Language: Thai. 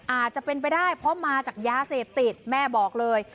อาจจะเป็นไปได้เพราะมาจากยาเสพติดแม่บอกเลย